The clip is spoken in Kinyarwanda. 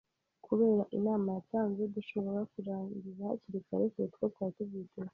Kubera inama yatanze, dushobora kurangiza hakiri kare kuruta uko twari tubyiteze.